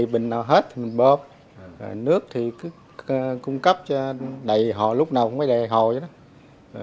bình nào hết thì mình bơm nước thì cứ cung cấp cho đầy hồ lúc nào cũng phải đầy hồ cho nó